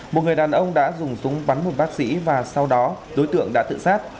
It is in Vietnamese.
một người đàn ông đã dùng súng bắn một bác sĩ và sau đó đối tượng đã tự sát